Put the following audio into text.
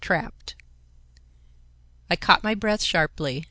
XIV. TRAPPED I caught my breath sharply.